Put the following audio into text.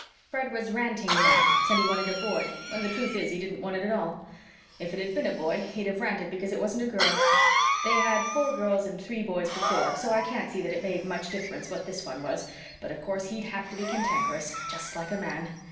Fred was ranting mad said he wanted a boy when the truth is he didn't want it at all. If it had been a boy he'd have ranted because it wasn't a girl. They had four girls and three boys before, so I can't see that it made much difference what this one was, but of course he'd have to be cantankerous, just like a man.